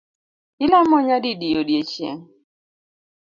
Ilemo nyadidi odiechieng’?